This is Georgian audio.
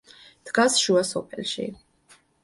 დგას შუა სოფელში.